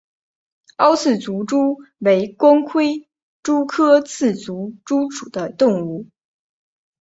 凹刺足蛛为光盔蛛科刺足蛛属的动物。